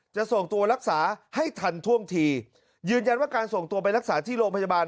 จะส่งตัวรักษาให้ทันท่วงทียืนยันว่าการส่งตัวไปรักษาที่โรงพยาบาล